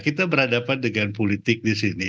kita berhadapan dengan politik di sini